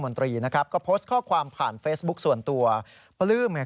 กรณีนี้ทางด้านของประธานกรกฎาได้ออกมาพูดแล้ว